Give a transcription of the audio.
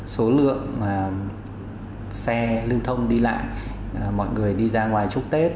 số lượng xe lưu thông đi lại mọi người đi ra ngoài chúc tết